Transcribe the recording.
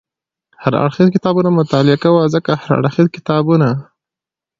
هر اړخیز کتابونه مطالعه کوه، ځکه هر اړخیز کتابونه